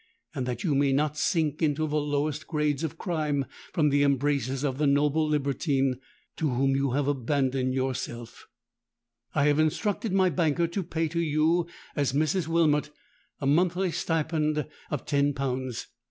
And that you may not sink into the lowest grades of crime from the embraces of the noble libertine to whom you have abandoned yourself, I have instructed my banker to pay to you, as Mrs. Wilmot, a monthly stipend of ten pounds.